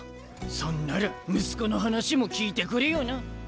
そんなら息子の話も聞いてくれよな。